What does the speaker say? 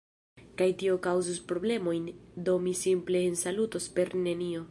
Kaj tio kaŭzus problemojn do mi simple ensalutos per nenio.